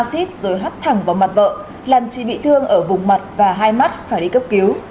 xít rồi hắt thẳng vào mặt vợ làm chị bị thương ở vùng mặt và hai mắt phải đi cấp cứu